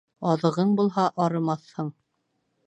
Аҙығың булһа, арымаҫһың